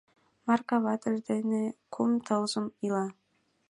Марка ватыж дене кум тылзым ила.